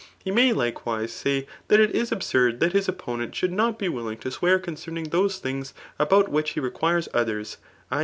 He may, likewise, say that it is absurd that his opponent should not be. willing to swear concerning those things about which he requires others [i.